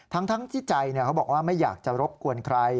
ทั้งที่ใจเขาบอกว่าไม่อยากจะรบกวนใคร